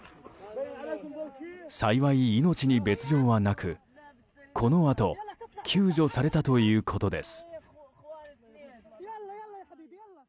幸い、命に別条はなくこのあと救助されたということです。